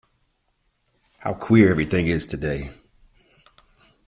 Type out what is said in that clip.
How queer everything is to-day!